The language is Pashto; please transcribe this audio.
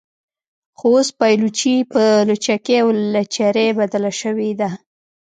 خو اوس پایلوچي په لچکۍ او لچرۍ بدله شوې ده.